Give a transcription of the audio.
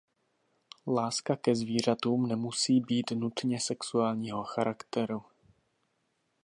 Láska ke zvířatům nemusí být nutně sexuálního charakteru.